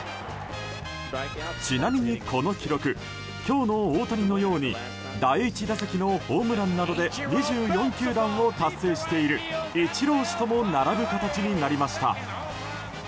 ちなみに、この記録今日の大谷のように第１打席のホームランなどで２４球団を達成しているイチロー氏とも並ぶ形になりました。